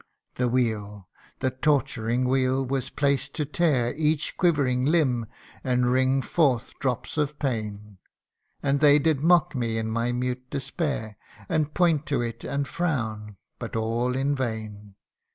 The wheel the torturing wheel was placed to tear Each quivering limb, and wring forth drops of pain ; And they did mock me in my mute despair, And point to it, and frown but all in vain.